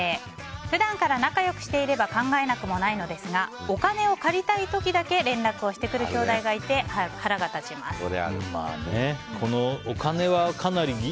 普段から仲良くしていれば考えなくもないのですがお金を借りたい時だけ連絡をしてくるきょうだいがいてまあね、お金はかなり。